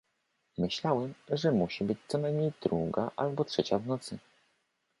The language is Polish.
Myślałem, że musi być co najmniej druga albo trzecia w nocy.